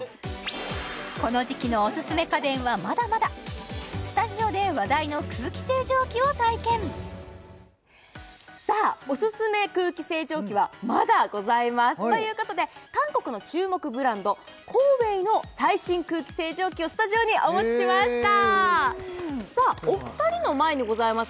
この時期のオススメ家電はまだまださあオススメ空気清浄機はまだございますということで韓国の注目ブランドＣＯＷＡＹの最新空気清浄機をスタジオにお持ちしましたさあお二人の前にございます